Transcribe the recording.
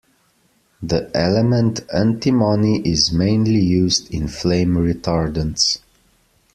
The element antimony is mainly used in flame retardants.